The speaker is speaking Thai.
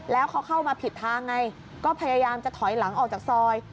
แล้วเขาเข้ามาผิดทางไงก็พยายามจะถอยหลังออกจากซอย